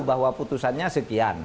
bahwa putusannya sekian